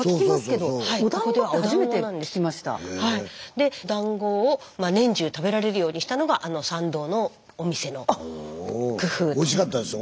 でだんごを年中食べられるようにしたのがあの参道のお店の工夫と。おいしかったですよ